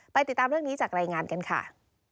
ติดตามเรื่องนี้จากรายงานกันค่ะ